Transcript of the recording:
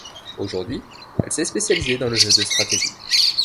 Aujourd'hui, elle s'est spécialisée dans le jeu de stratégie.